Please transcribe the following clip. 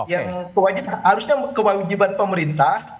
yang pokoknya harusnya kewajiban pemerintah